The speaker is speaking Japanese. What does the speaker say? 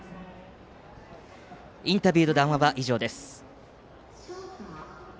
インタビューと談話は以上です。